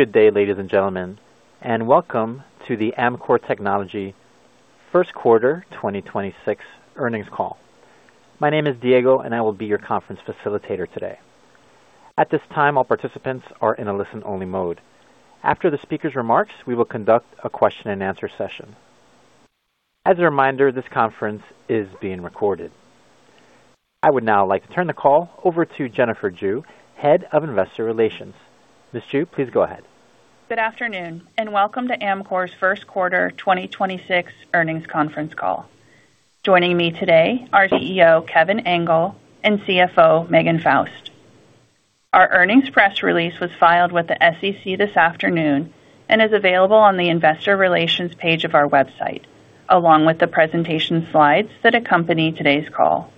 Good day, ladies and gentlemen, and welcome to the Amkor Technology First Quarter 2026 Earnings Call. My name is Diego, and I will be your conference facilitator today. At this time, all participants are in a listen-only mode. After the speaker's remarks, we will conduct a question-and-answer session. As a reminder, this conference is being recorded. I would now like to turn the call over to Jennifer Jue, Head of Investor Relations. Ms. Jue, please go ahead. Good afternoon, and welcome to Amkor's first quarter 2026 earnings conference call. Joining me today, our CEO, Kevin Engel, and CFO, Megan Faust. Our earnings press release was filed with the SEC this afternoon and is available on the investor relations page of our website, along with the presentation slides that accompany today's call.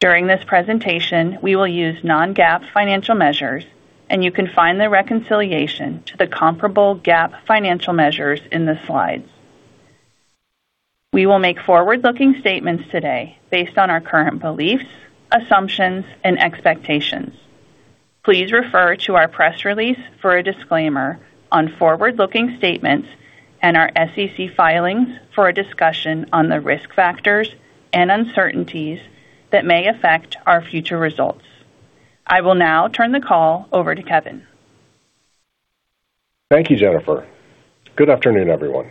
During this presentation, we will use non-GAAP financial measures, and you can find the reconciliation to the comparable GAAP financial measures in the slides. We will make forward-looking statements today based on our current beliefs, assumptions, and expectations. Please refer to our press release for a disclaimer on forward-looking statements and our SEC filings for a discussion on the risk factors and uncertainties that may affect our future results. I will now turn the call over to Kevin. Thank you, Jennifer. Good afternoon, everyone.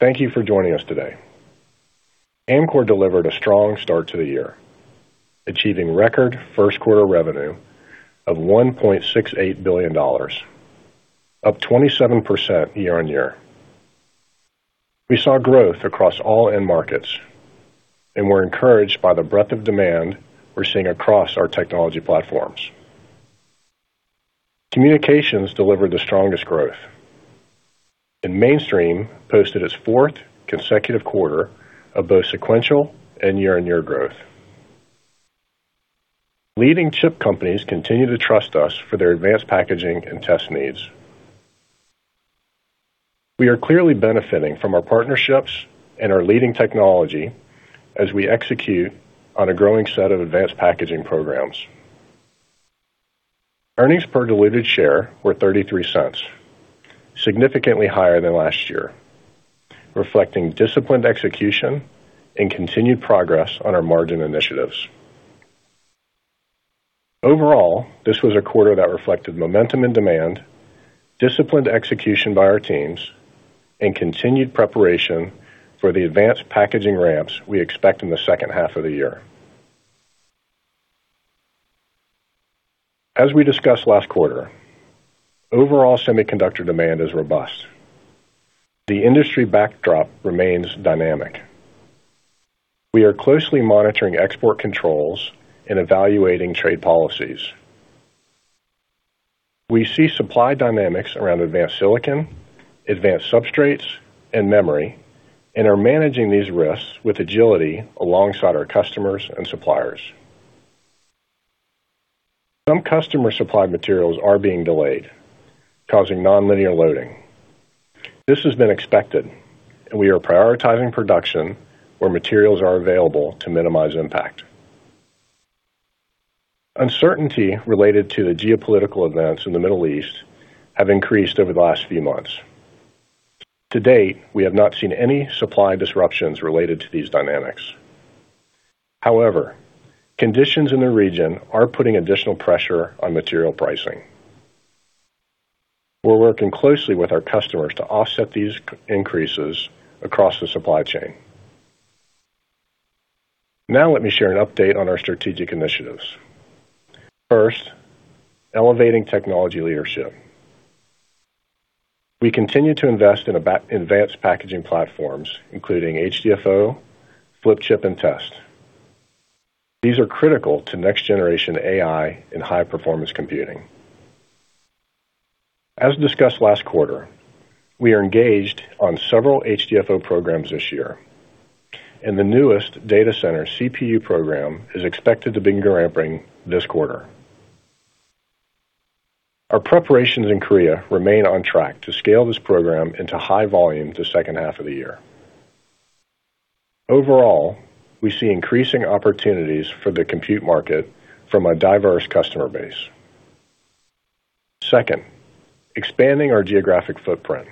Thank you for joining us today. Amkor delivered a strong start to the year. Achieving record first quarter revenue of $1.68 billion, up 27% year-over-year. We saw growth across all end markets and were encouraged by the breadth of demand we're seeing across our technology platforms. Communications delivered the strongest growth, and Mainstream posted its fourth consecutive quarter of both sequential and year-over-year growth. Leading chip companies continue to trust us for their advanced packaging and test needs. We are clearly benefiting from our partnerships and our leading technology as we execute on a growing set of advanced packaging programs. Earnings per diluted share were $0.33, significantly higher than last year, reflecting disciplined execution and continued progress on our margin initiatives. Overall, this was a quarter that reflected momentum and demand, disciplined execution by our teams, and continued preparation for the advanced packaging ramps we expect in the second half of the year. As we discussed last quarter, overall semiconductor demand is robust. The industry backdrop remains dynamic. We are closely monitoring export controls and evaluating trade policies. We see supply dynamics around advanced silicon, advanced substrates, and memory, and are managing these risks with agility alongside our customers and suppliers. Some customer supply materials are being delayed, causing nonlinear loading. This has been expected, and we are prioritizing production where materials are available to minimize impact. Uncertainty related to the geopolitical events in the Middle East have increased over the last few months. To date, we have not seen any supply disruptions related to these dynamics. However, conditions in the region are putting additional pressure on material pricing. We're working closely with our customers to offset these cost increases across the supply chain. Now let me share an update on our strategic initiatives. First, elevating technology leadership. We continue to invest in advanced packaging platforms, including HDFO, flip chip, and test. These are critical to next-generation AI and high-performance computing. As discussed last quarter, we are engaged on several HDFO programs this year, and the newest data center CPU program is expected to begin ramping this quarter. Our preparations in Korea remain on track to scale this program into high volume the second half of the year. Overall, we see increasing opportunities for the compute market from a diverse customer base. Second, expanding our geographic footprint.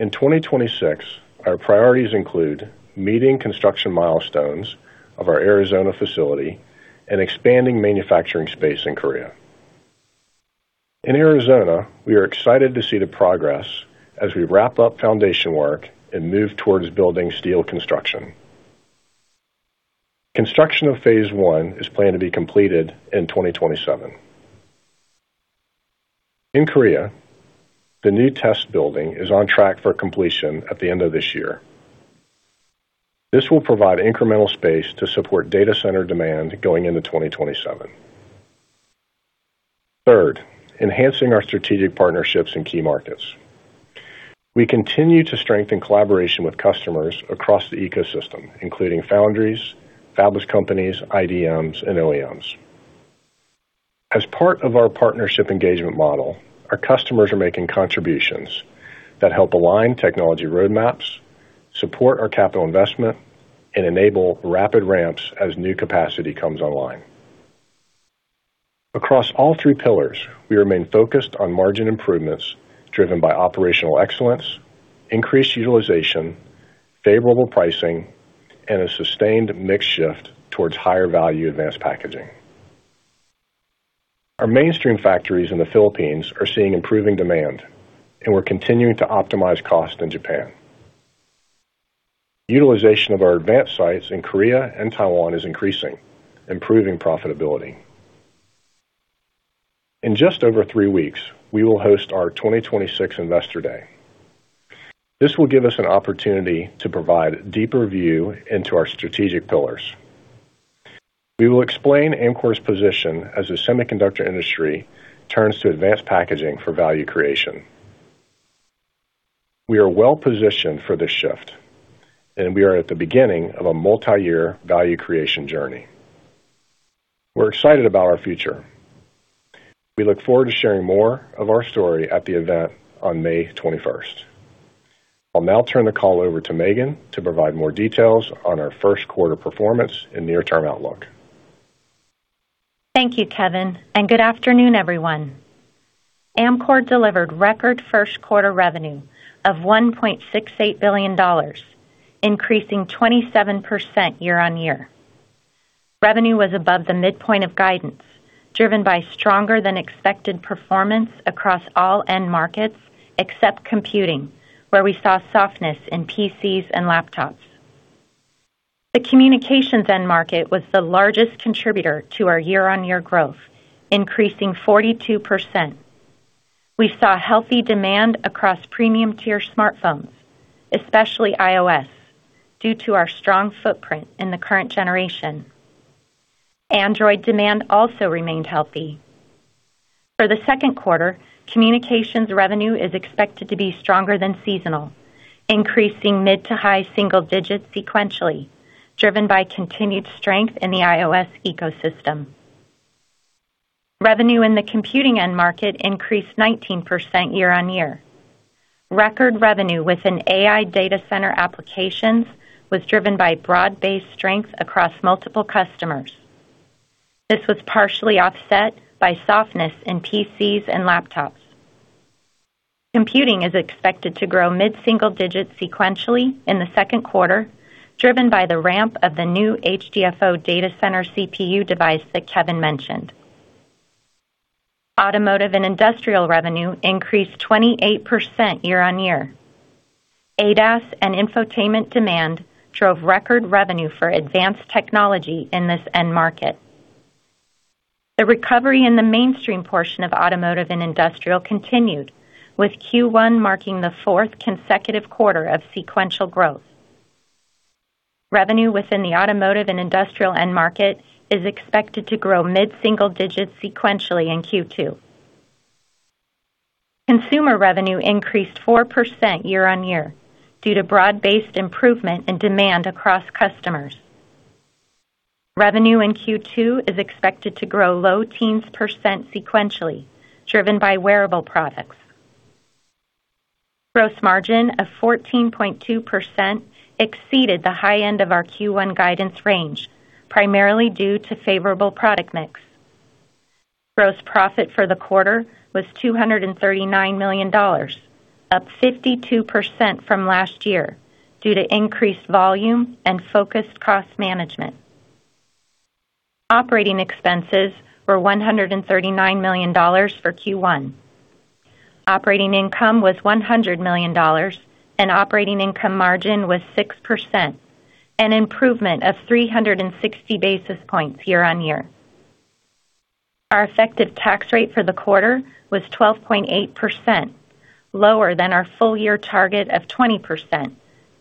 In 2026, our priorities include meeting construction milestones of our Arizona facility and expanding manufacturing space in Korea. In Arizona, we are excited to see the progress as we wrap up foundation work and move towards building steel construction. Construction of phase one is planned to be completed in 2027. In Korea, the new test building is on track for completion at the end of this year. This will provide incremental space to support data center demand going into 2027. Third, enhancing our strategic partnerships in key markets. We continue to strengthen collaboration with customers across the ecosystem, including foundries, fabless companies, IDMs, and OEMs. As part of our Partnership Engagement Model, our customers are making contributions that help align technology roadmaps, support our capital investment, and enable rapid ramps as new capacity comes online. Across all three pillars, we remain focused on margin improvements driven by operational excellence, increased utilization, favorable pricing, and a sustained mix shift towards higher value advanced packaging. Our Mainstream factories in the Philippines are seeing improving demand, and we're continuing to optimize cost in Japan. Utilization of our advanced sites in Korea and Taiwan is increasing, improving profitability. In just over three weeks, we will host our 2026 Investor Day. This will give us an opportunity to provide deeper view into our strategic pillars. We will explain Amkor's position as the semiconductor industry turns to advanced packaging for value creation. We are well-positioned for this shift, and we are at the beginning of a multi-year value creation journey. We're excited about our future. We look forward to sharing more of our story at the event on May 21st. I'll now turn the call over to Megan to provide more details on our first quarter performance and near-term outlook. Thank you, Kevin, and good afternoon, everyone. Amkor delivered record first quarter revenue of $1.68 billion, increasing 27% year-over-year. Revenue was above the midpoint of guidance, driven by stronger than expected performance across all end markets, except computing, where we saw softness in PCs and laptops. The communications end market was the largest contributor to our year-over-year growth, increasing 42%. We saw healthy demand across premium tier smartphones, especially iOS, due to our strong footprint in the current generation. Android demand also remained healthy. For the second quarter, communications revenue is expected to be stronger than seasonal, increasing mid- to high-single digits sequentially, driven by continued strength in the iOS ecosystem. Revenue in the computing end market increased 19% year-over-year. Record revenue within AI data center applications was driven by broad-based strength across multiple customers. This was partially offset by softness in PCs and laptops. Computing is expected to grow mid-single digits sequentially in the second quarter, driven by the ramp of the new HDFO data center CPU device that Kevin mentioned. Automotive and Industrial revenue increased 28% year-on-year. ADAS and infotainment demand drove record revenue for advanced technology in this end market. The recovery in the Mainstream portion of Automotive and Industrial continued, with Q1 marking the fourth consecutive quarter of sequential growth. Revenue within the Automotive and Industrial end market is expected to grow mid-single digits sequentially in Q2. Consumer revenue increased 4% year-on-year due to broad-based improvement in demand across customers. Revenue in Q2 is expected to grow low teens percent sequentially, driven by wearable products. Gross margin of 14.2% exceeded the high end of our Q1 guidance range, primarily due to favorable product mix. Gross profit for the quarter was $239 million, up 52% from last year due to increased volume and focused cost management. Operating expenses were $139 million for Q1. Operating income was $100 million, and operating income margin was 6%, an improvement of 360 basis points year-over-year. Our effective tax rate for the quarter was 12.8%, lower than our full year target of 20%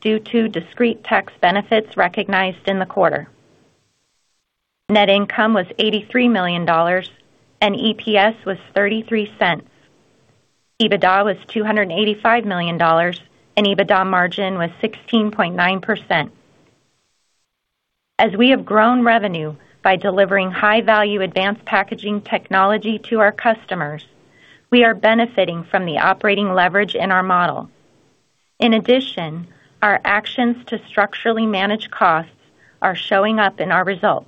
due to discrete tax benefits recognized in the quarter. Net income was $83 million, and EPS was $0.33. EBITDA was $285 million, and EBITDA margin was 16.9%. As we have grown revenue by delivering high-value advanced packaging technology to our customers, we are benefiting from the operating leverage in our model. In addition, our actions to structurally manage costs are showing up in our results,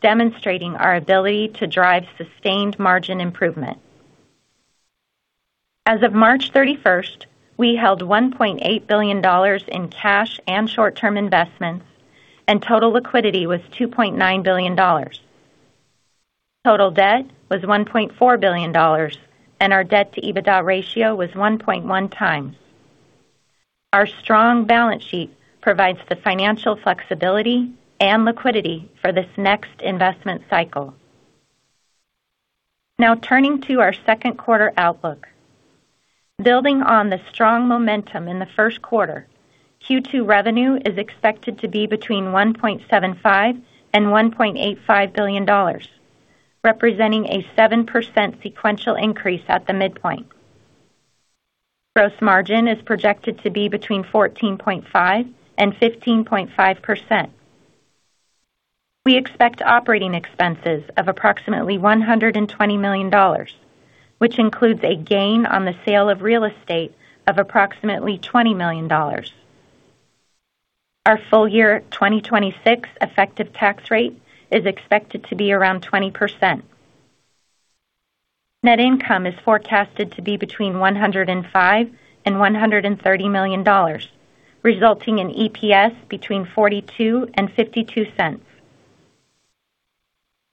demonstrating our ability to drive sustained margin improvement. As of March 31, we held $1.8 billion in cash and short-term investments, and total liquidity was $2.9 billion. Total debt was $1.4 billion, and our debt-to-EBITDA ratio was 1.1x. Our strong balance sheet provides the financial flexibility and liquidity for this next investment cycle. Now turning to our second quarter outlook. Building on the strong momentum in the first quarter, Q2 revenue is expected to be between $1.75 billion and $1.85 billion, representing a 7% sequential increase at the midpoint. Gross margin is projected to be between 14.5%-15.5%. We expect operating expenses of approximately $120 million, which includes a gain on the sale of real estate of approximately $20 million. Our full year 2026 effective tax rate is expected to be around 20%. Net income is forecasted to be between $105 million and $130 million, resulting in EPS between $0.42 and $0.52.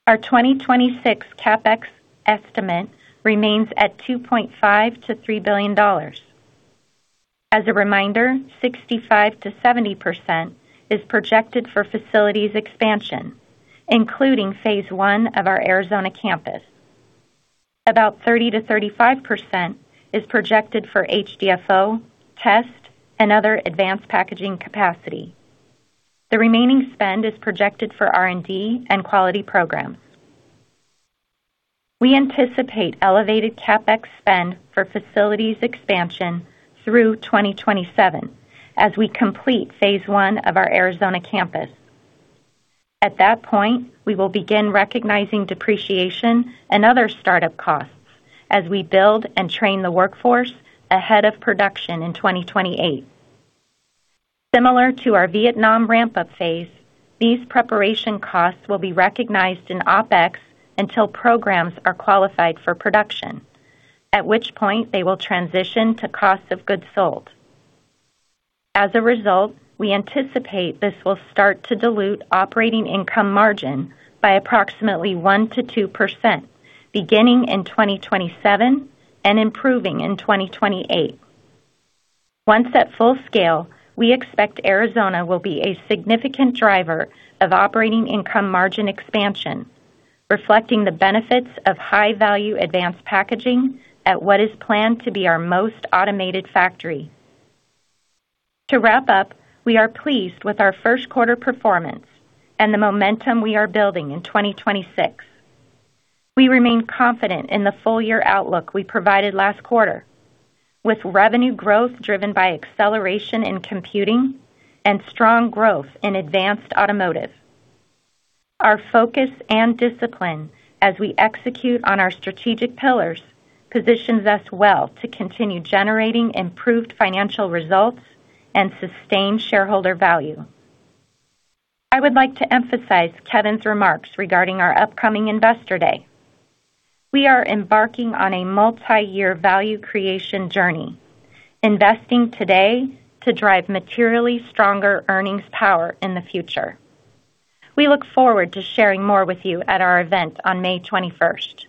Our 2026 CapEx estimate remains at $2.5 billion-$3 billion. As a reminder, 65%-70% is projected for facilities expansion, including phase one of our Arizona campus. About 30%-35% is projected for HDFO, test, and other advanced packaging capacity. The remaining spend is projected for R&D and quality programs. We anticipate elevated CapEx spend for facilities expansion through 2027 as we complete phase 1 of our Arizona campus. At that point, we will begin recognizing depreciation and other startup costs as we build and train the workforce ahead of production in 2028. Similar to our Vietnam ramp-up phase, these preparation costs will be recognized in OpEx until programs are qualified for production, at which point they will transition to cost of goods sold. As a result, we anticipate this will start to dilute operating income margin by approximately 1%-2% beginning in 2027 and improving in 2028. Once at full scale, we expect Arizona will be a significant driver of operating income margin expansion, reflecting the benefits of high-value advanced packaging at what is planned to be our most automated factory. To wrap up, we are pleased with our first quarter performance and the momentum we are building in 2026. We remain confident in the full year outlook we provided last quarter, with revenue growth driven by acceleration in computing and strong growth in advanced automotive. Our focus and discipline as we execute on our strategic pillars positions us well to continue generating improved financial results and sustained shareholder value. I would like to emphasize Kevin's remarks regarding our upcoming Investor Day. We are embarking on a multi-year value creation journey, investing today to drive materially stronger earnings power in the future. We look forward to sharing more with you at our event on May 21st.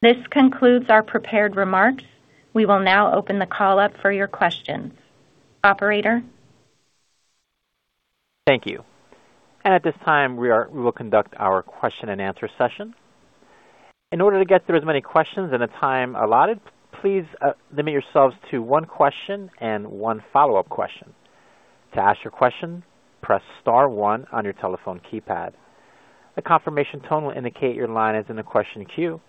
This concludes our prepared remarks. We will now open the call up for your questions. Operator? Thank you. At this time, we will conduct our question and answer session. In order to get through as many questions in the time allotted, please, limit yourselves to one question and one follow-up question. To ask your question, press star one on your telephone keypad. A confirmation tone will indicate your line is in the question queue.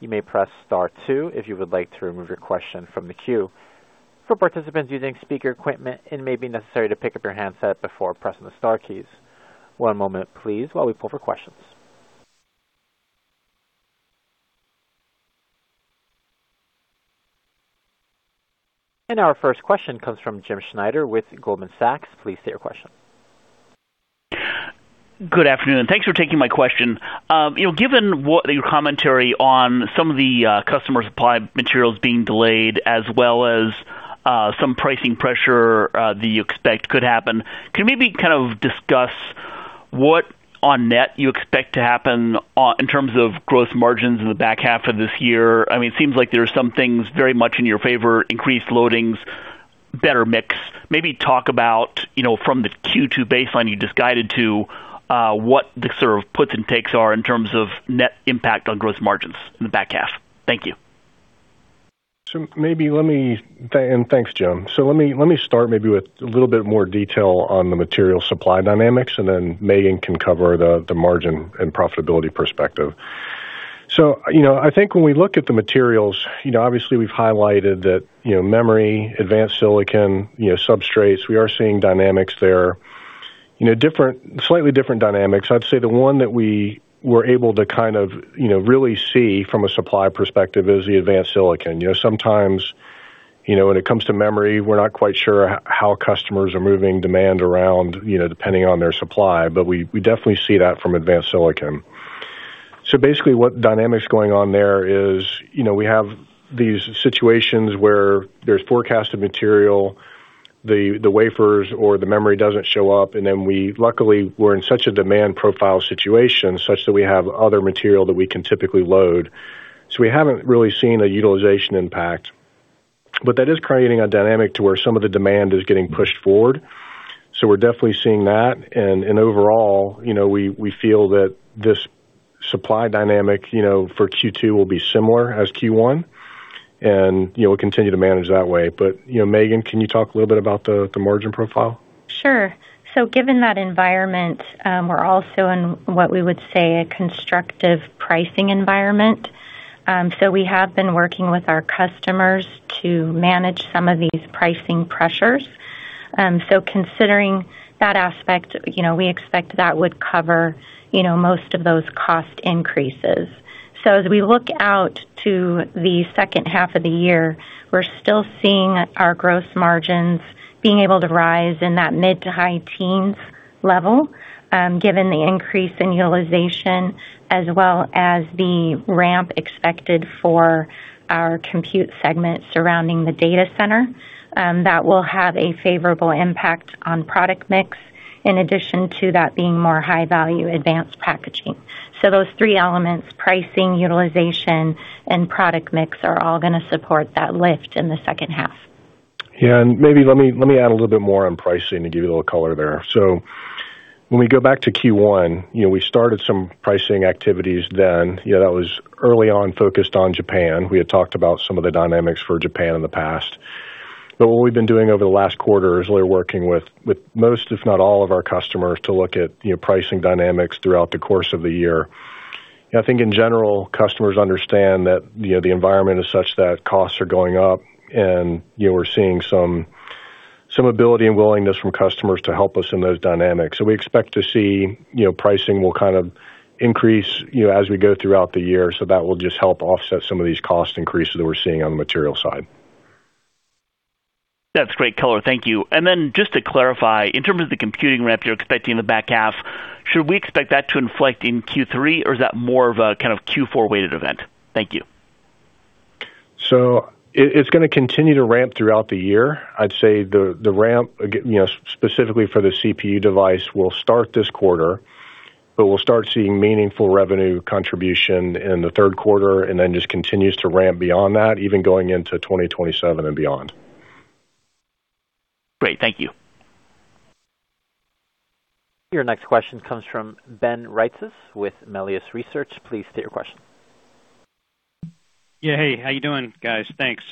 You may press star two if you would like to remove your question from the queue. For participants using speaker equipment, it may be necessary to pick up your handset before pressing the star keys. One moment, please, while we pull for questions. Our first question comes from Jim Schneider with Goldman Sachs. Please state your question. Good afternoon. Thanks for taking my question. You know, given what your commentary on some of the customer supply materials being delayed as well as some pricing pressure that you expect could happen. Can you maybe kind of discuss what on net you expect to happen in terms of gross margins in the back half of this year? I mean, it seems like there are some things very much in your favor, increased loadings, better mix. Maybe talk about, you know, from the Q2 baseline you just guided to, what the sort of puts and takes are in terms of net impact on gross margins in the back half? Thank you. Thanks, Jim. Let me start maybe with a little bit more detail on the material supply dynamics, and then Megan can cover the margin and profitability perspective. You know, I think when we look at the materials, you know, obviously we've highlighted that, you know, memory, advanced silicon, you know, substrates, we are seeing dynamics there. You know, different, slightly different dynamics. I'd say the one that we were able to kind of, you know, really see from a supply perspective is the advanced silicon. You know, sometimes, you know, when it comes to memory, we're not quite sure how customers are moving demand around, you know, depending on their supply. We definitely see that from advanced silicon. Basically what dynamics going on there is, you know, we have these situations where there's forecasted material. The wafers or the memory doesn't show up, and then we luckily we're in such a demand profile situation such that we have other material that we can typically load. We haven't really seen a utilization impact. That is creating a dynamic to where some of the demand is getting pushed forward. We're definitely seeing that. Overall, you know, we feel that this supply dynamic, you know, for Q2 will be similar as Q1, and, you know, we'll continue to manage that way. You know, Megan, can you talk a little bit about the margin profile? Sure. Given that environment, we're also in what we would say a constructive pricing environment. We have been working with our customers to manage some of these pricing pressures. Considering that aspect, you know, we expect that would cover, you know, most of those cost increases. As we look out to the second half of the year, we're still seeing our gross margins being able to rise in that mid- to high-teens level, given the increase in utilization, as well as the ramp expected for our compute segment surrounding the data center, that will have a favorable impact on product mix, in addition to that being more high-value advanced packaging. Those three elements, pricing, utilization, and product mix, are all going to support that lift in the second half. Yeah. Maybe let me add a little bit more on pricing to give you a little color there. When we go back to Q1, you know, we started some pricing activities then. You know, that was early on focused on Japan. We had talked about some of the dynamics for Japan in the past. What we've been doing over the last quarter is really working with most, if not all of our customers to look at, you know, pricing dynamics throughout the course of the year. I think in general, customers understand that, you know, the environment is such that costs are going up, and, you know, we're seeing some ability and willingness from customers to help us in those dynamics. We expect to see, you know, pricing will kind of increase, you know, as we go throughout the year. That will just help offset some of these cost increases that we're seeing on the material side. That's great color. Thank you. Just to clarify, in terms of the computing ramp you're expecting in the back half, should we expect that to inflect in Q3, or is that more of a kind of Q4 weighted event? Thank you. It's gonna continue to ramp throughout the year. I'd say the ramp, you know, specifically for the CPU device, will start this quarter. But we'll start seeing meaningful revenue contribution in the third quarter and then just continues to ramp beyond that, even going into 2027 and beyond. Great. Thank you. Your next question comes from Ben Reitzes with Melius Research. Please state your question. Yeah. Hey, how you doing, guys? Thanks.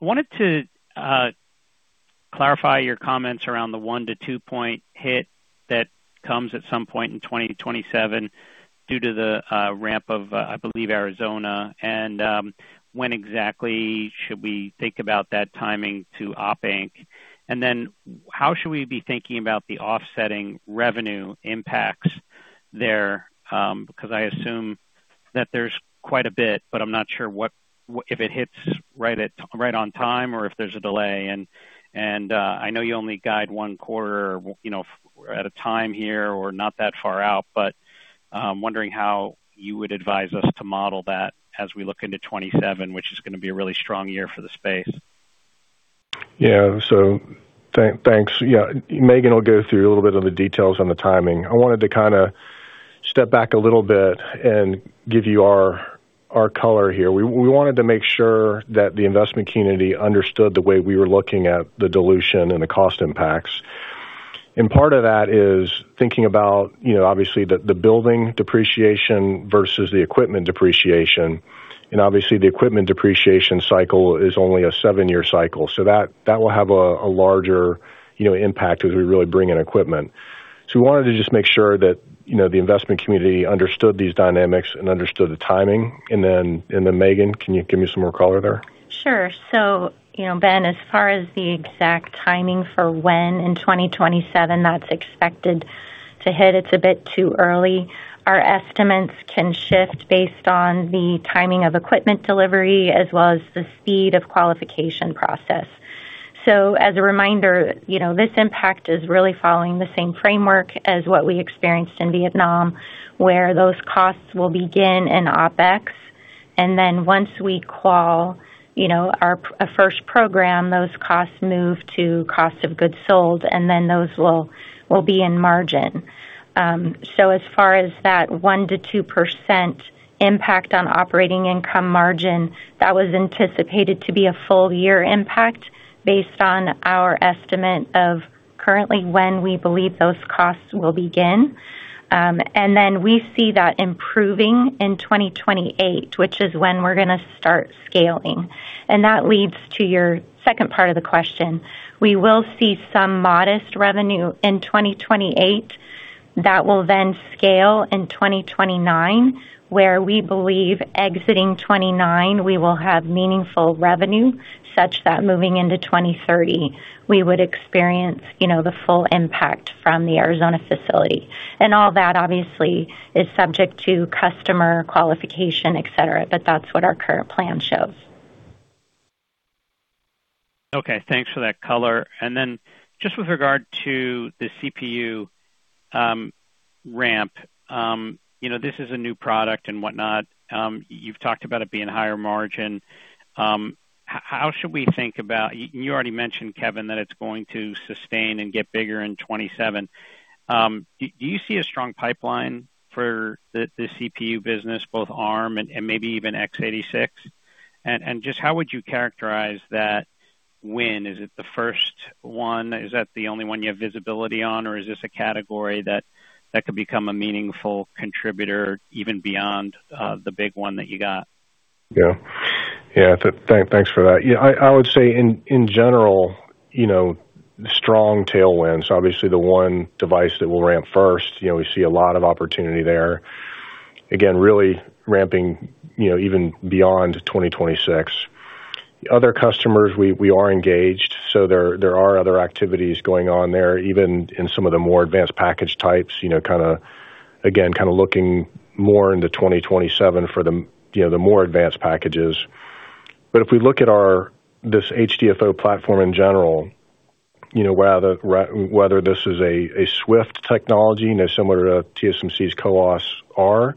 Wanted to clarify your comments around the 1 point-2 point hit that comes at some point in 2027 due to the ramp of, I believe, Arizona. When exactly should we think about that timing to OpEx? Then how should we be thinking about the offsetting revenue impacts there? Because I assume that there's quite a bit, but I'm not sure what if it hits right on time or if there's a delay. I know you only guide one quarter, you know, at a time here or not that far out, but I'm wondering how you would advise us to model that as we look into 2027, which is going to be a really strong year for the space? Yeah. Thanks. Yeah, Megan will go through a little bit of the details on the timing. I wanted to kind of step back a little bit and give you our color here. We wanted to make sure that the investment community understood the way we were looking at the dilution and the cost impacts. Part of that is thinking about, you know, obviously, the building depreciation versus the equipment depreciation. Obviously, the equipment depreciation cycle is only a seven-year cycle, so that will have a larger, you know, impact as we really bring in equipment. We wanted to just make sure that, you know, the investment community understood these dynamics and understood the timing. Megan, can you give me some more color there? Sure. You know, Ben, as far as the exact timing for when in 2027 that's expected to hit, it's a bit too early. Our estimates can shift based on the timing of equipment delivery as well as the speed of qualification process. As a reminder, you know, this impact is really following the same framework as what we experienced in Vietnam, where those costs will begin in OpEx. Then once we qual a first program, those costs move to cost of goods sold, and then those will be in margin. As far as that 1%-2% impact on operating income margin, that was anticipated to be a full year impact based on our estimate of currently when we believe those costs will begin. We see that improving in 2028, which is when we're gonna start scaling. That leads to your second part of the question. We will see some modest revenue in 2028 that will then scale in 2029, where we believe exiting 2029, we will have meaningful revenue such that moving into 2030, we would experience, you know, the full impact from the Arizona facility. All that obviously is subject to customer qualification, et cetera, but that's what our current plan shows. Okay, thanks for that color. Just with regard to the CPU ramp, you know, this is a new product and whatnot. You've talked about it being higher margin. How should we think about? You already mentioned, Kevin, that it's going to sustain and get bigger in 2027. Do you see a strong pipeline for the CPU business, both Arm and maybe even X86? Just how would you characterize that win? Is it the first one? Is that the only one you have visibility on? Or is this a category that could become a meaningful contributor even beyond the big one that you got? Yeah, thanks for that. Yeah, I would say in general, you know, strong tailwinds, obviously the one device that will ramp first, you know, we see a lot of opportunity there. Again, really ramping, you know, even beyond 2026. Other customers, we are engaged, so there are other activities going on there, even in some of the more advanced package types, you know, kind of again, kind of looking more into 2027 for the, you know, the more advanced packages. If we look at our this HDFO platform in general, you know, whether this is a SWIFT technology, you know, similar to TSMC's CoWoS-R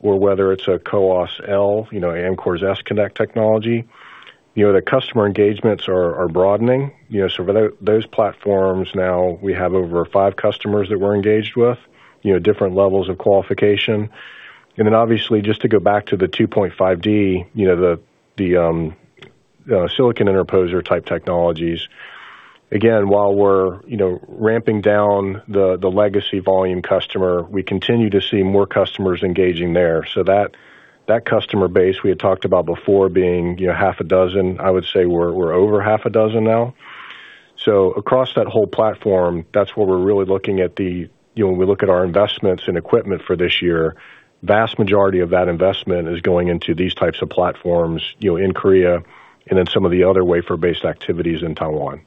or whether it's a CoWoS-L, you know, Amkor's S-Connect Technology, you know, the customer engagements are broadening, you know. For those platforms now we have over five customers that we're engaged with, you know, different levels of qualification. Then obviously just to go back to the 2.5D, you know, Silicon Interposer type technologies, again, while we're, you know, ramping down the legacy volume customer, we continue to see more customers engaging there. That customer base we had talked about before being, you know, half a dozen, I would say we're over half a dozen now. Across that whole platform, that's where we're really looking at the you know, when we look at our investments in equipment for this year, vast majority of that investment is going into these types of platforms, you know, in Korea and then some of the other wafer-based activities in Taiwan.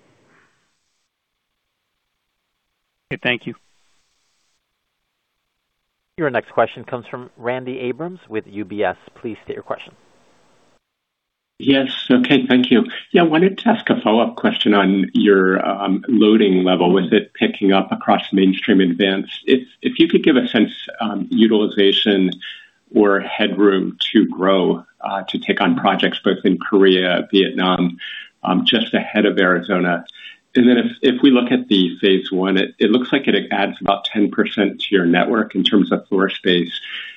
Okay. Thank you. Your next question comes from Randy Abrams with UBS. Please state your question. Yes. Okay. Thank you. Yeah. I wanted to ask a follow-up question on your loading level. Was it picking up across Mainstream advanced? If you could give a sense on utilization or headroom to grow to take on projects both in Korea, Vietnam, just ahead of Arizona. Then if we look at the phase one, it looks like it adds about 10% to your network in terms of floor space.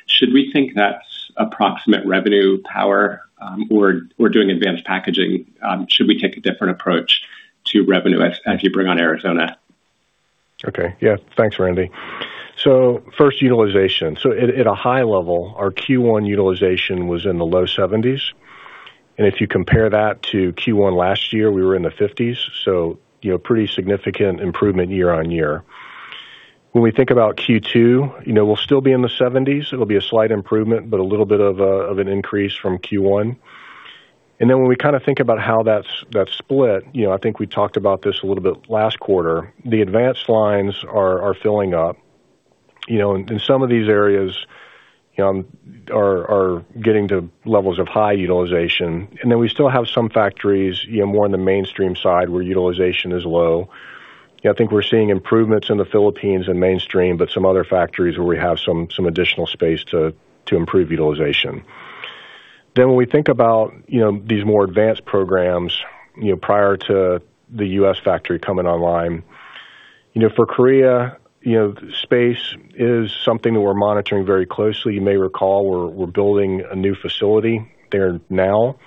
Should we think that's approximate revenue power, or doing advanced packaging? Should we take a different approach to revenue as you bring on Arizona? Okay. Yeah. Thanks, Randy. First, utilization. At a high level, our Q1 utilization was in the low 70s, and if you compare that to Q1 last year, we were in the 50s. You know, pretty significant improvement year-over-year. When we think about Q2, you know, we'll still be in the 70s. It'll be a slight improvement, but a little bit of an increase from Q1. Then when we kind of think about how that's split, you know, I think we talked about this a little bit last quarter. The advanced lines are filling up, you know, and some of these areas are getting to levels of high utilization. Then we still have some factories, you know, more on the Mainstream side where utilization is low. You know, I think we're seeing improvements in the Philippines and Mainstream, but some other factories where we have some additional space to improve utilization. When we think about, you know, these more advanced programs, you know, prior to the U.S. factory coming online. You know, for Korea, you know, space is something that we're monitoring very closely. You may recall we're building a new facility there now.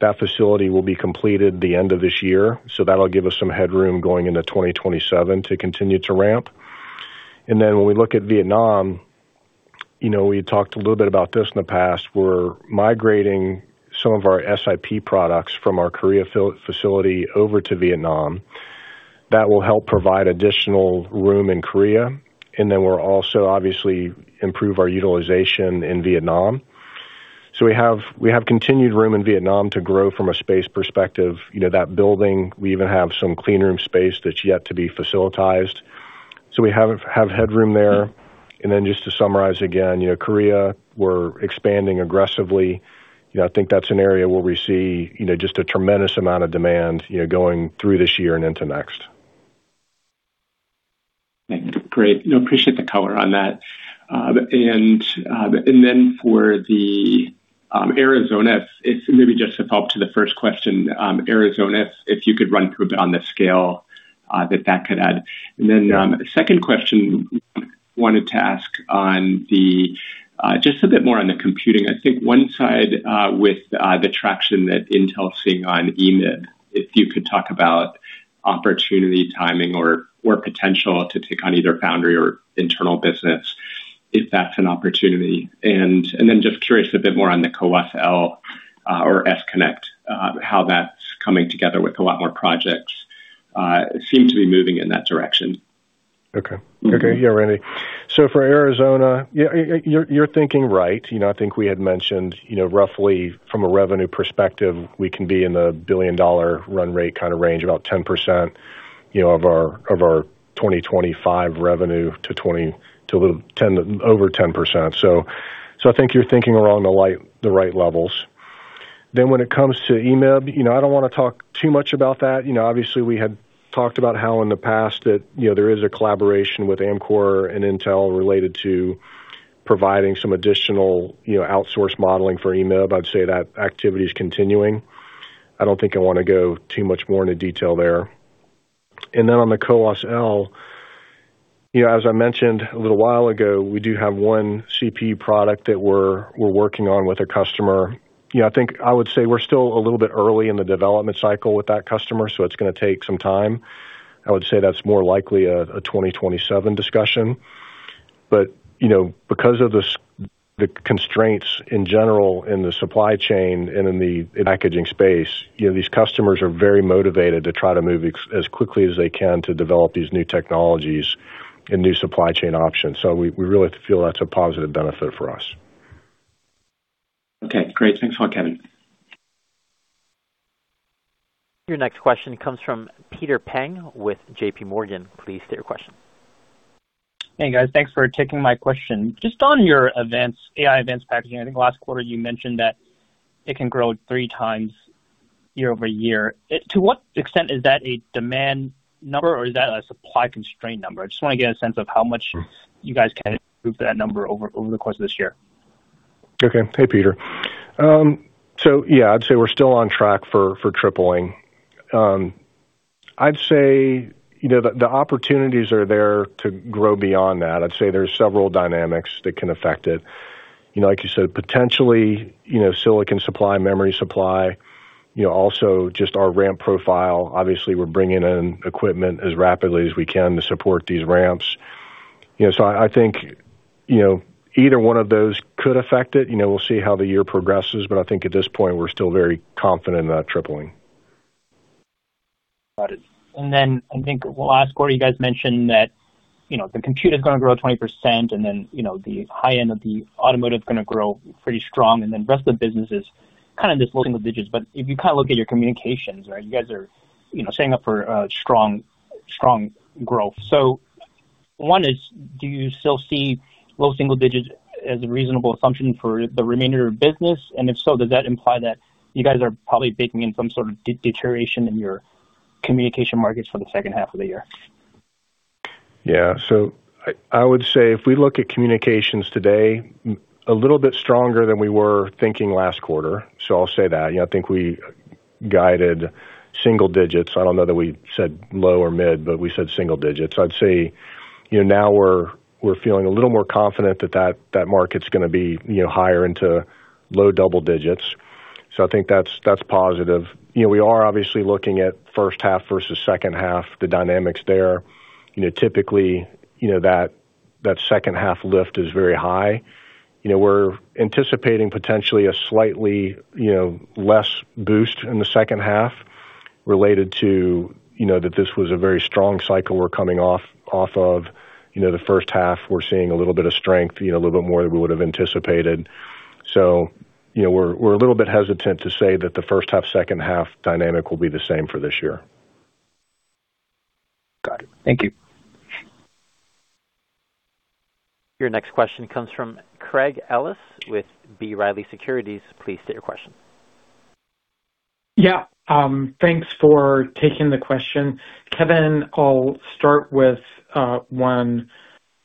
That facility will be completed the end of this year, so that'll give us some headroom going into 2027 to continue to ramp. When we look at Vietnam, you know, we talked a little bit about this in the past. We're migrating some of our SiP products from our Korea facility over to Vietnam. That will help provide additional room in Korea, and then we'll also obviously improve our utilization in Vietnam. We have continued room in Vietnam to grow from a space perspective. You know, that building, we even have some clean room space that's yet to be facilitated. We have headroom there. Then just to summarize again, you know, Korea, we're expanding aggressively. You know, I think that's an area where we see, you know, just a tremendous amount of demand, you know, going through this year and into next. Thank you. Great. You know, appreciate the color on that. For the Arizona, it's maybe just a follow-up to the first question. Arizona, if you could run through a bit on the scale that could add. Second question I wanted to ask on just a bit more on the computing. I think one side with the traction that Intel's seeing on EMIB, if you could talk about opportunity timing or potential to take on either foundry or internal business, if that's an opportunity. Just curious a bit more on the CoWoS-L or S-Connect. How that's coming together with a lot more projects seem to be moving in that direction? Okay. Yeah, Randy. For Arizona, yeah, you're thinking right. You know, I think we had mentioned, you know, roughly from a revenue perspective, we can be in the billion-dollar run rate kind of range, about 10%, you know, of our 2025 revenue over 10%. I think you're thinking around the right levels. When it comes to EMIB, you know, I don't wanna talk too much about that. You know, obviously we had talked about how in the past that, you know, there is a collaboration with Amkor and Intel related to providing some additional, you know, outsource molding for EMIB. I'd say that activity is continuing. I don't think I wanna go too much more into detail there. Then on the CoWoS-L, you know, as I mentioned a little while ago, we do have one CPU product that we're working on with a customer. You know, I think I would say we're still a little bit early in the development cycle with that customer, so it's gonna take some time. I would say that's more likely a 2027 discussion. You know, because of the constraints in general in the supply chain and in the packaging space, you know, these customers are very motivated to try to move as quickly as they can to develop these new technologies and new supply chain options. We really feel that's a positive benefit for us. Okay, great. Thanks a lot, Kevin. Your next question comes from Peter Peng with JPMorgan. Please state your question. Hey, guys. Thanks for taking my question. Just on your AI advanced packaging, I think last quarter you mentioned that it can grow 3x year-over-year. To what extent is that a demand number or is that a supply constraint number? I just wanna get a sense of how much you guys can improve that number over the course of this year? Hey, Peter. Yeah, I'd say we're still on track for tripling. I'd say, you know, the opportunities are there to grow beyond that. I'd say there are several dynamics that can affect it. You know, like you said, potentially, you know, silicon supply, memory supply, you know, also just our ramp profile. Obviously, we're bringing in equipment as rapidly as we can to support these ramps. You know, I think, you know, either one of those could affect it. You know, we'll see how the year progresses, but I think at this point, we're still very confident about tripling. Got it. I think last quarter you guys mentioned that, you know, the compute is gonna grow 20% and then, you know, the high-end of the automotive is gonna grow pretty strong. And then the rest of the business is kind of just low-single digits. If you kind of look at your communications, right, you guys are, you know, setting up for a strong growth. One is, do you still see low-single digits as a reasonable assumption for the remainder of business? If so, does that imply that you guys are probably baking in some sort of deterioration in your communication markets for the second half of the year? Yeah. I would say if we look at communications today, a little bit stronger than we were thinking last quarter. I'll say that. You know, I think we guided single digits. I don't know that we said low or mid, but we said single digits. I'd say, you know, now we're feeling a little more confident that that market's gonna be, you know, higher into low-double digits. I think that's positive. You know, we are obviously looking at first half versus second half, the dynamics there. You know, typically, you know, that second half lift is very high. You know, we're anticipating potentially a slightly, you know, less boost in the second half related to, you know, that this was a very strong cycle we're coming off of, you know, the first half, we're seeing a little bit of strength. You know, a little bit more than we would have anticipated. You know, we're a little bit hesitant to say that the first half, second half dynamic will be the same for this year. Got it. Thank you. Your next question comes from Craig Ellis with B. Riley Securities. Please state your question. Yeah. Thanks for taking the question. Kevin, I'll start with one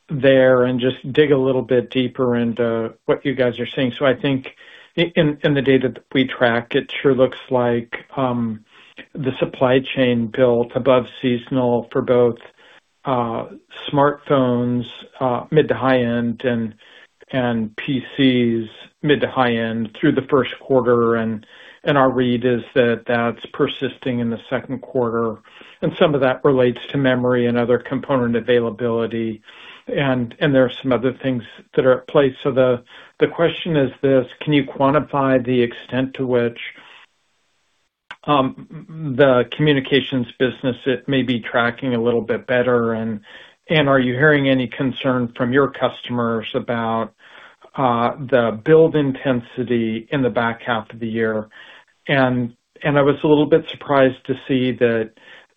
there and just dig a little bit deeper into what you guys are seeing. I think in the data that we track, it sure looks like the supply chain built above seasonal for both smartphones mid to high-end and PCs mid to high-end through the first quarter. And our read is that that's persisting in the second quarter, and some of that relates to memory and other component availability. And there are some other things that are at play. The question is this: Can you quantify the extent to which the communications business it may be tracking a little bit better? And are you hearing any concern from your customers about the build intensity in the back half of the year? I was a little bit surprised to see that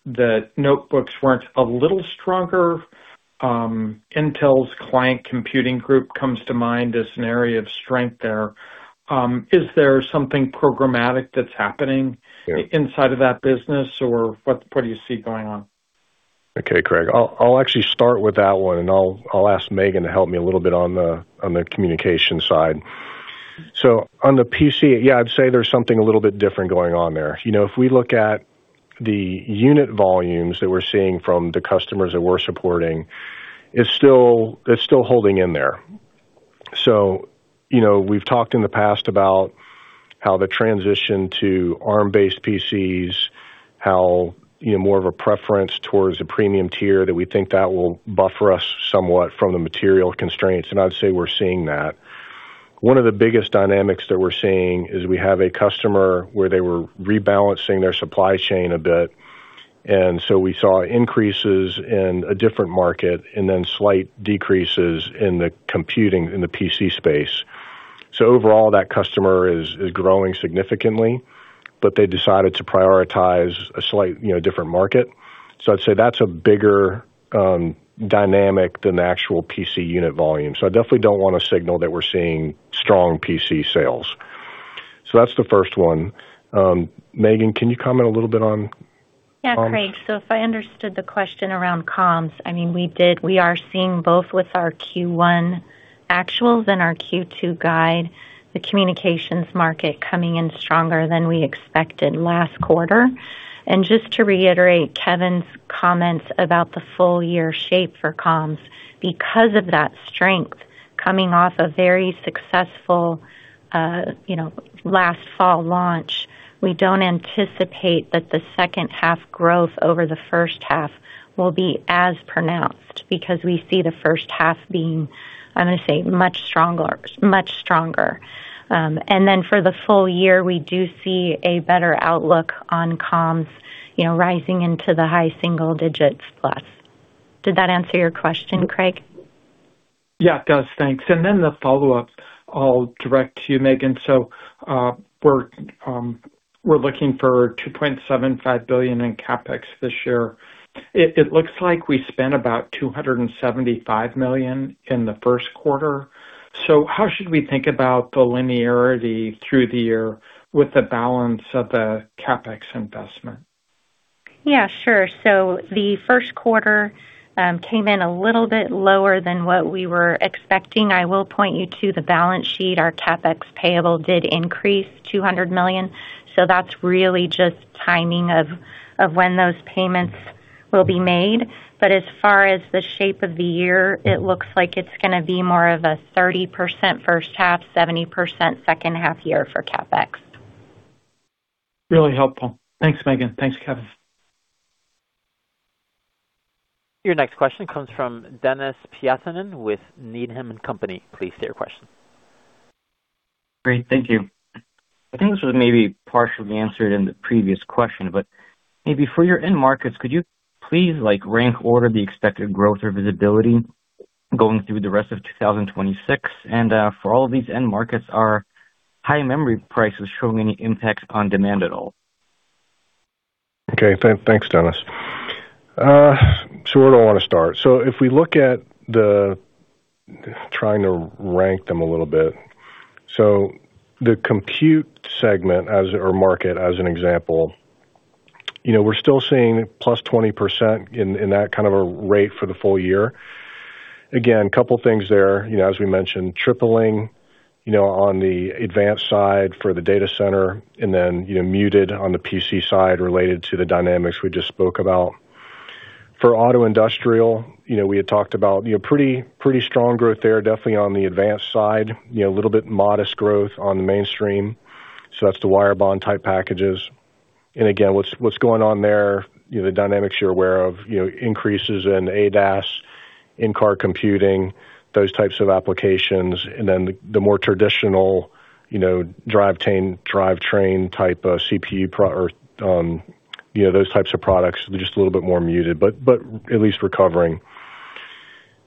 the notebooks weren't a little stronger. Intel's Client Computing Group comes to mind as an area of strength there. Is there something programmatic that's happening? Yeah. Inside of that business, or what part of do you see going on? Okay, Craig. I'll actually start with that one, and I'll ask Megan to help me a little bit on the communication side. On the PC, yeah, I'd say there's something a little bit different going on there. You know, if we look at the unit volumes that we're seeing from the customers that we're supporting, it's still holding in there. You know, we've talked in the past about how the transition to ARM-based PCs, you know, more of a preference towards the premium tier, that we think that will buffer us somewhat from the material constraints, and I'd say we're seeing that. One of the biggest dynamics that we're seeing is we have a customer where they were rebalancing their supply chain a bit, and so we saw increases in a different market and then slight decreases in the computing in the PC space. Overall, that customer is growing significantly, but they decided to prioritize a slight, you know, different market. I'd say that's a bigger dynamic than the actual PC unit volume. I definitely don't wanna signal that we're seeing strong PC sales. That's the first one. Megan, can you comment a little bit on. Yeah, Craig. So if I understood the question around comms, I mean, we are seeing both with our Q1 actuals and our Q2 guide. The communications market coming in stronger than we expected last quarter. Just to reiterate Kevin's comments about the full year shape for comms, because of that strength. Coming off a very successful, you know, last fall launch, we don't anticipate that the second half growth over the first half will be as pronounced because we see the first half being, I'm gonna say, much stronger. Then for the full year, we do see a better outlook on comms, you know, rising into the high-single digits plus. Did that answer your question, Craig? Yeah, it does. Thanks. The follow-up, I'll direct to you, Megan. We're looking for $2.75 billion in CapEx this year. It looks like we spent about $275 million in the first quarter. How should we think about the linearity through the year with the balance of the CapEx investment? Yeah, sure. The first quarter came in a little bit lower than what we were expecting. I will point you to the balance sheet. Our CapEx payable did increase $200 million, so that's really just timing of when those payments will be made. As far as the shape of the year, it looks like it's gonna be more of a 30% first half, 70% second half year for CapEx. Really helpful. Thanks, Megan. Thanks, Kevin. Your next question comes from Denis Pyatchanin with Needham & Company. Please state your question. Great. Thank you. I think this was maybe partially answered in the previous question, but maybe for your end markets, could you please, like, rank order the expected growth or visibility going through the rest of 2026? And for all of these end markets, are high memory prices showing any impact on demand at all? Okay. Thanks, Denis. Where do I wanna start? If we look at trying to rank them a little bit. The Compute segment or market as an example, you know, we're still seeing +20% in that kind of a rate for the full year. Again, couple things there. You know, as we mentioned, tripling, you know, on the advanced side for the data center and then, you know, muted on the PC side related to the dynamics we just spoke about. For Auto-Industrial, you know, we had talked about, you know, pretty strong growth there, definitely on the advanced side. You know, a little bit modest growth on the Mainstream, so that's the wire bond type packages. Again, what's going on there, you know, the dynamics you're aware of, you know, increases in ADAS, in-car computing, those types of applications. The more traditional, you know, drivetrain type of CPU or, you know, those types of products, they're just a little bit more muted, but at least recovering.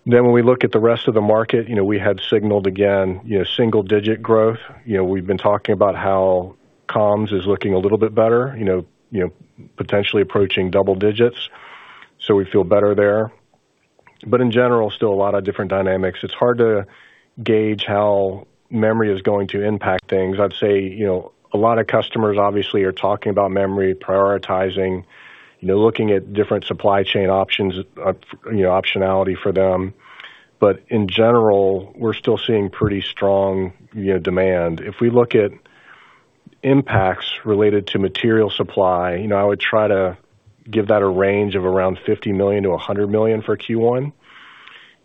When we look at the rest of the market, you know, we had signaled again, you know, single digit growth. You know, we've been talking about how comms is looking a little bit better. Potentially approaching double digits, so we feel better there. In general, still a lot of different dynamics. It's hard to gauge how memory is going to impact things. I'd say, you know, a lot of customers obviously are talking about memory prioritizing, you know, looking at different supply chain options, you know, optionality for them. In general, we're still seeing pretty strong, you know, demand. If we look at impacts related to material supply, you know, I would try to give that a range of around $50 million-$100 million for Q1.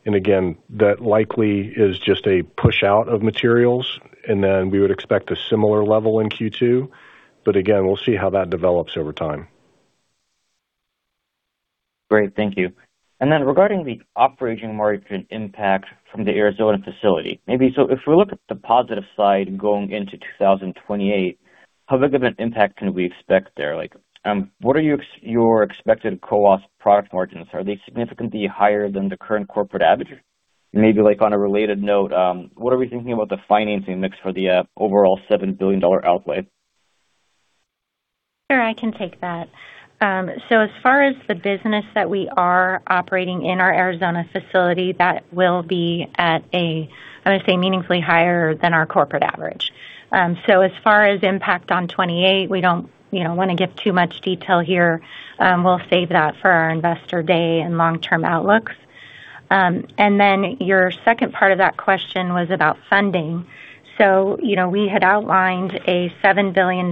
Again, that likely is just a push out of materials, and then we would expect a similar level in Q2. Again, we'll see how that develops over time. Great. Thank you. Regarding the operating margin impact from the Arizona facility, maybe so if we look at the positive side going into 2028. How big of an impact can we expect there? Like, what are your expected CoWoS product margins? Are they significantly higher than the current corporate average? Maybe like on a related note, what are we thinking about the financing mix for the overall $7 billion outlay? Sure, I can take that. As far as the business that we are operating in our Arizona facility, that will be at a, I would say, meaningfully higher than our corporate average. As far as impact on 2028, we don't, you know, wanna give too much detail here. We'll save that for our Investor Day and long-term outlooks. Then your second part of that question was about funding. You know, we had outlined a $7 billion,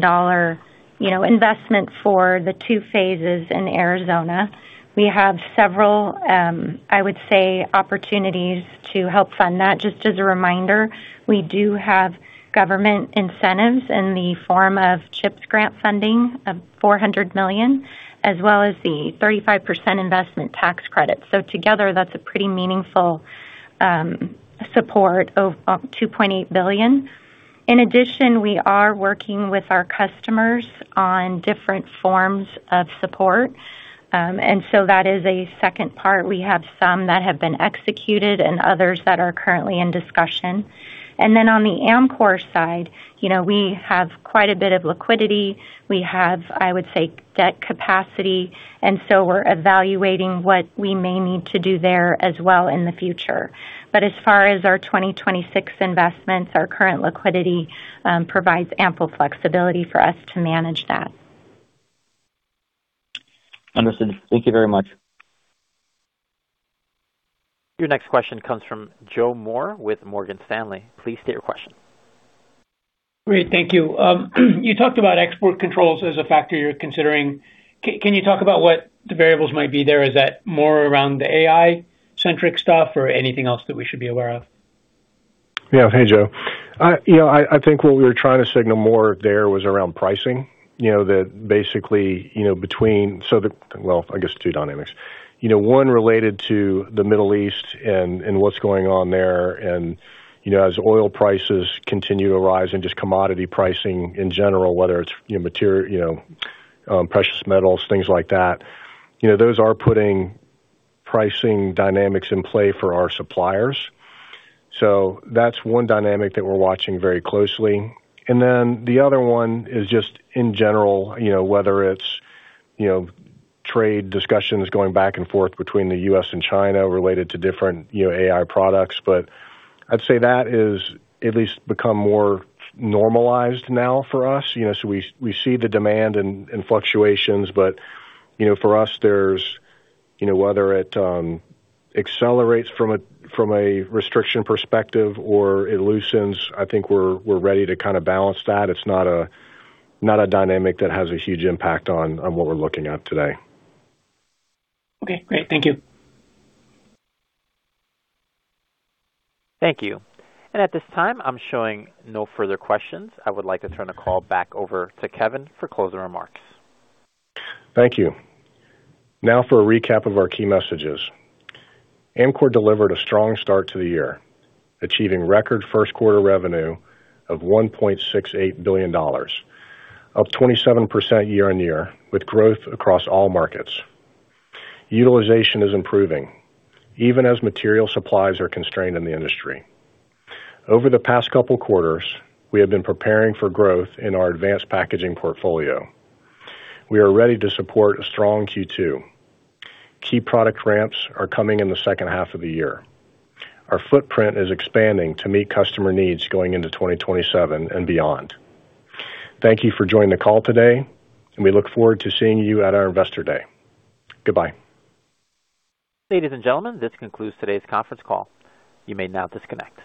you know, investment for the two phases in Arizona. We have several, I would say, opportunities to help fund that. Just as a reminder, we do have government incentives in the form of CHIPS grant funding of $400 million, as well as the 35% investment tax credit. Together, that's a pretty meaningful support of $2.8 billion. In addition, we are working with our customers on different forms of support. That is a second part. We have some that have been executed and others that are currently in discussion. On the Amkor side, you know, we have quite a bit of liquidity. We have, I would say, debt capacity, and so we're evaluating what we may need to do there as well in the future. As far as our 2026 investments, our current liquidity provides ample flexibility for us to manage that. Understood. Thank you very much. Your next question comes from Joe Moore with Morgan Stanley. Please state your question. Great. Thank you. You talked about export controls as a factor you're considering. Can you talk about what the variables might be there? Is that more around the AI-centric stuff or anything else that we should be aware of? Yeah. Hey, Joe. You know, I think what we were trying to signal more there was around pricing. You know, that basically, well, I guess two dynamics. You know, one related to the Middle East and what's going on there. You know, as oil prices continue to rise and just commodity pricing in general, whether it's, you know, precious metals, things like that, you know, those are putting pricing dynamics in play for our suppliers. So that's one dynamic that we're watching very closely. Then the other one is just in general, you know, whether it's, you know, trade discussions going back and forth between the U.S. and China related to different, you know, AI products. I'd say that is at least become more normalized now for us. You know, we see the demand and fluctuations. You know, for us, there's you know, whether it accelerates from a restriction perspective or it loosens, I think we're ready to kind of balance that. It's not a dynamic that has a huge impact on what we're looking at today. Okay, great. Thank you. Thank you. At this time, I'm showing no further questions. I would like to turn the call back over to Kevin for closing remarks. Thank you. Now for a recap of our key messages. Amkor delivered a strong start to the year, achieving record first quarter revenue of $1.68 billion, up 27% year-over-year, with growth across all markets. Utilization is improving, even as material supplies are constrained in the industry. Over the past couple quarters, we have been preparing for growth in our advanced packaging portfolio. We are ready to support a strong Q2. Key product ramps are coming in the second half of the year. Our footprint is expanding to meet customer needs going into 2027 and beyond. Thank you for joining the call today, and we look forward to seeing you at our Investor Day. Goodbye. Ladies and gentlemen, this concludes today's conference call. You may now disconnect.